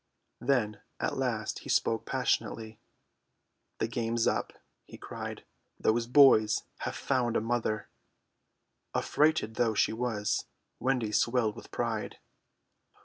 Then at last he spoke passionately. "The game's up," he cried, "those boys have found a mother." Affrighted though she was, Wendy swelled with pride.